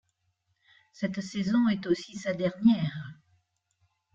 Cette saison est aussi sa dernière.